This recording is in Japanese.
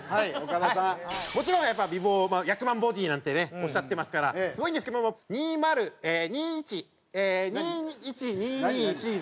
もちろんやっぱり美貌も役満ボディなんてねおっしゃってますからすごいんですけども２０−２１２１−２２シーズン。